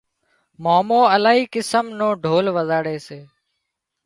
مامو االاهي قسم نو ڍول وزاڙي سي